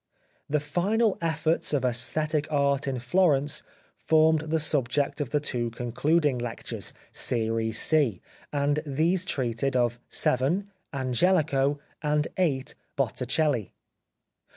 The " Final Efforts of Esthetic Art in Florence" formed the subject of the two concluding lectures (Series C), and these treated of (7) Angelico, and (8) Botticelli.